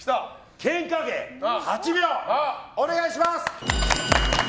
ケンカ芸、８秒お願いします！